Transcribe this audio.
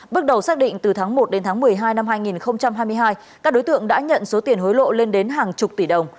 bước đầu xác định từ tháng một đến tháng một mươi hai năm hai nghìn hai mươi hai các đối tượng đã nhận số tiền hối lộ lên đến hàng chục tỷ đồng